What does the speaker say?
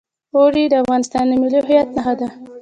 اوړي د افغانستان د ملي هویت نښه ده.